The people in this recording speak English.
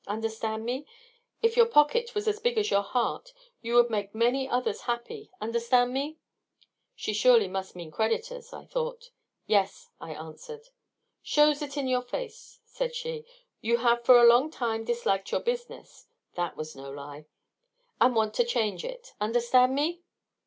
Understand me? If your pocket was as big as your heart you would make many others happy. Understand me?" She surely must mean creditors, I thought. "Yes," I answered. "Shows it in your face," said she. "You have for a long time disliked your business" (that was no lie), "and want to change it. Understand me?